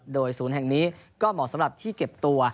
โดยศูนย์แห่งนี้ก็เหมาะสำหรับที่เก็บตัว